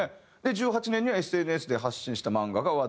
１８年にはＳＮＳで発信した漫画が話題になり